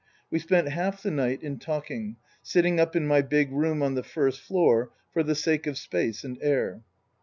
We spent half the night in talking, sitting up in my big room on the first floor for the sake of space and air.